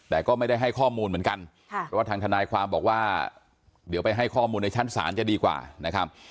แต่ก็ไม่ได้ให้ข้อมูลเหมือนกันเพราะว่าทางทนายความบอกว่าเดี๋ยวไปให้ข้อมูลในชั้นศาลจะดีกว่านะครับ